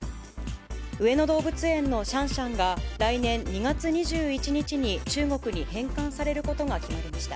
上野動物園のシャンシャンが、来年２月２１日に中国に返還されることが決まりました。